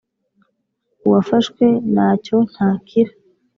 uwafashwe na cyo ntakira